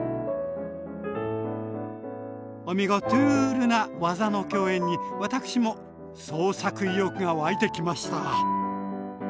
おみゴトゥールな技の競演に私も創作意欲が湧いてきました！